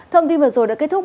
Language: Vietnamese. thông tin vừa rồi đã kết thúc